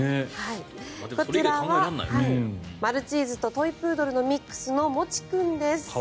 こちらはマルチーズとトイプードルのミックスのもち君です。